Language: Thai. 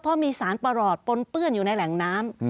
เพราะมีสารประหลอดปนเปื้อนอยู่ในแหล่งน้ำ